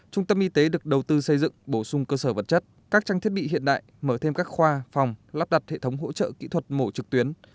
trung tâm y tế được đầu tư xây dựng bổ sung cơ sở vật chất các trang thiết bị hiện đại mở thêm các khoa phòng lắp đặt hệ thống hỗ trợ kỹ thuật mổ trực tuyến